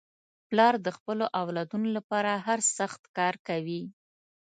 پلار د خپلو اولادنو لپاره هر سخت کار کوي.